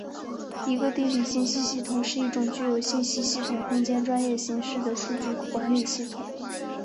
一个地理信息系统是一种具有信息系统空间专业形式的数据管理系统。